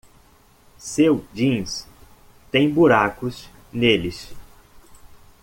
Seu jeans tem buracos neles.